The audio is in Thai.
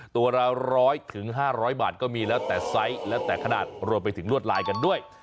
ตัวละ๑๐๐๕๐๐บาทก็มีแล้วแต่ไซส์แล้วแต่ขนาดรวมไปถึงลวดลายกันด้วย